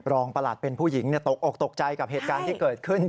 ประหลัดเป็นผู้หญิงตกอกตกใจกับเหตุการณ์ที่เกิดขึ้น